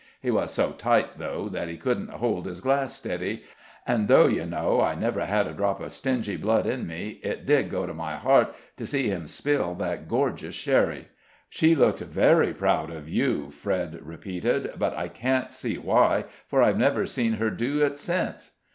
He was so tight, though, that he couldn't hold his glass steady; and though you know I never had a drop of stingy blood in me, it did go to my heart to see him spill that gorgeous sherry." "She looked very proud of you," Fred repeated; "but I can't see why, for I've never seen her do it since."